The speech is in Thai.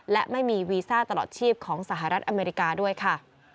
และไม่มีวีซ่าตลอดชีพของสหรัฐอเมริกาด้วยค่ะ